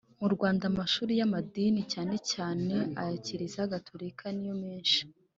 mu rwanda, amashuri y'amadini, cyane cyane aya kiliziya gatolika niyo menshi